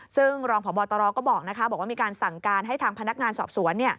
ซึ่งรองพบตรก็บอกว่ามีการสั่งการให้ทางพนักงานสอบสวน